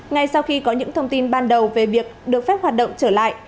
ngay sau khi có những thông tin ban đầu về việc được phép hoạt động trở lại